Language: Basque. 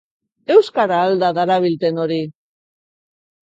Euskara al da darabilten hori?